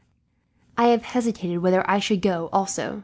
I have hesitated whether I should go, also.